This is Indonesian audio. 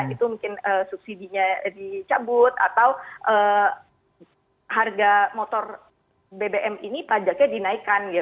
itu mungkin subsidi nya dicabut atau harga motor bbm ini pajaknya dinaikkan gitu